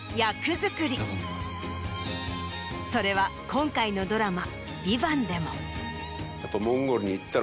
それは今回のドラマ。